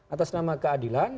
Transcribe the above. atas nama keadilan